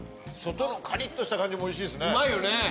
外のカリッとした感じもおいしいですね。